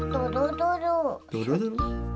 どろどろ？